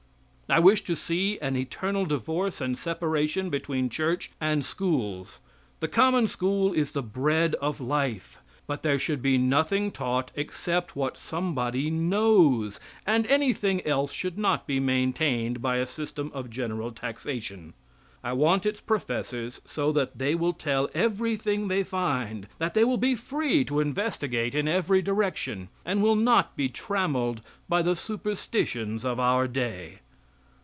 I wish to see an eternal divorce and separation between church and schools. The common school is the bread of life, but there should be nothing taught except what somebody knows; and anything else should not be maintained by a system of general taxation. I want its professors so that they will tell everything they find; that they will be free to investigate in every direction, and will not be trammeled by the superstitions of our day.